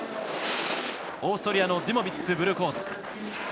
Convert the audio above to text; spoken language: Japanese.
オーストリアのデュモビッツブルーコース。